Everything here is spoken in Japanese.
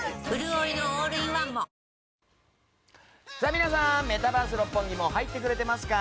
皆さん、メタバース六本木もう入ってくれてますか？